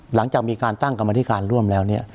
หลังจากมีการตั้งกรรมธิการร่วมแล้วเนี่ย